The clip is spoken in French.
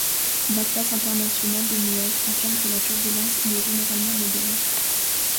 L'Atlas international des nuages affirme que la turbulence y est généralement modérée.